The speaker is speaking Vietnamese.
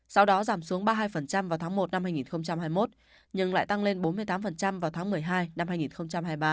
sau đó giảm xuống ba mươi hai vào tháng một năm hai nghìn hai mươi một nhưng lại tăng lên bốn mươi tám vào tháng một mươi hai năm hai nghìn hai mươi ba